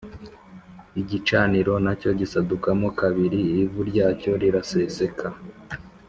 Igicaniro na cyo gisadukamo kabiri ivu ryacyo riraseseka